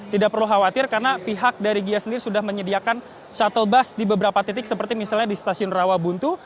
tidak perlu khawatir karena pihak dari gia sendiri sudah menyediakan shuttle bus di beberapa titik seperti misalnya di stasiun rawabuntu